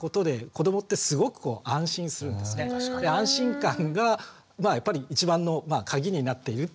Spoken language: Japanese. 安心感がまあやっぱり一番のカギになっているっていう。